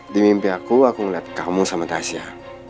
di mimpi aku aku melihat kamu sama tasya